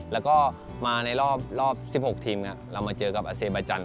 แล้วก็มาในรอบ๑๖ทีมเรามาเจอกับอาเซบายจันท